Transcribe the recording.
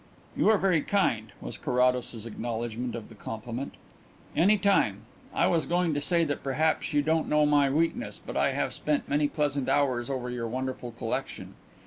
"You are very kind," was Carrados's acknowledgment of the compliment. "Any time ... I was going to say that perhaps you don't know my weakness, but I have spent many pleasant hours over your wonderful collection.